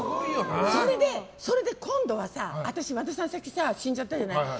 それで今度は和田さん先死んじゃったんじゃない？